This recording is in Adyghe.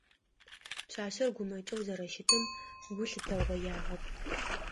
Пшъашъэр гумэкӏэу зэрэщытым гу лъытэгъоягъэп.